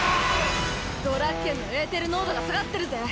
ドラッケンのエーテル濃度が下がってるぜ。